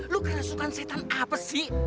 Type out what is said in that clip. lo kena sukaan setan apa sih